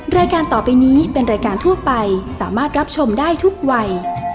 รายการต่อไปนี้เป็นรายการทั่วไปสามารถรับชมได้ทุกวัย